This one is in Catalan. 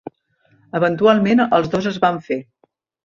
Eventualment els dos es van fer.